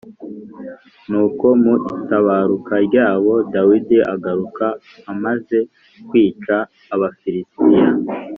Nuko mu itabaruka ryabo Dawidi agaruka amaze kwica Abafilisitiya